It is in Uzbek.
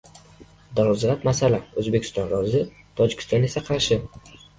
Dolzarb masala: O‘zbekiston rozi, Tojikiston esa qarshi